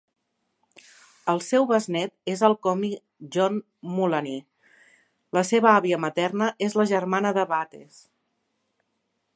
El seu besnét és el còmic John Mulaney, la seva àvia materna és la germana de Bates.